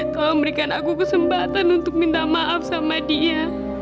tolong berikan aku kesempatan untuk minta maaf sama dia